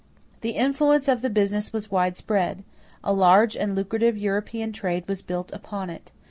The influence of the business was widespread. A large and lucrative European trade was built upon it.